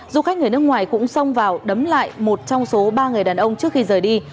du khách người nước ngoài cũng xông vào đấm lại một trong số ba người đàn ông trước khi rời đi